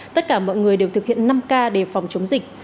tất cả mọi người đều thực hiện năm k để phòng chống dịch